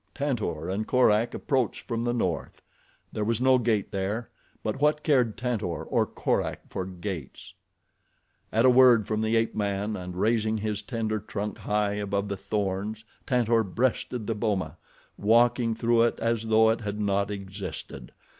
Tantor and Korak approached from the north. There was no gate there; but what cared Tantor or Korak for gates. At a word from the ape man and raising his tender trunk high above the thorns Tantor breasted the boma, walking through it as though it had not existed.